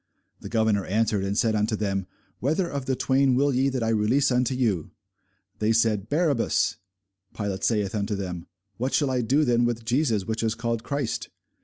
The governor answered and said unto them, Whether of the twain will ye that I release unto you? They said, Barabbas. Pilate saith unto them, What shall I do then with Jesus which is called Christ?